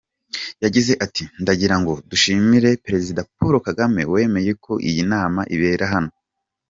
Yagize ati “Ndagira ngo dushimire Perezida Paul Kagame wemeye ko iyi nama ibera hano.